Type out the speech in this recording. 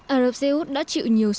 ả rập xê út đã chịu nhiều sức